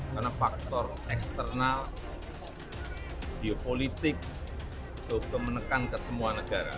karena faktor eksternal geopolitik itu kemenekan ke semua negara